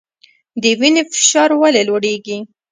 د وینې فشار ولې لوړیږي؟